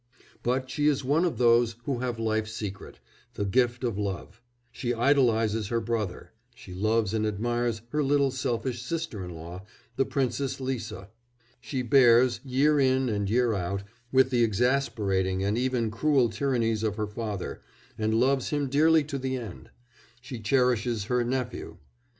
But she is one of those who have life's secret the gift of love; she idolises her brother; she loves and admires her little selfish sister in law, the Princess Lisa; she bears, year in and year out, with the exasperating and even cruel tyrannies of her father, and loves him dearly to the end; she cherishes her nephew.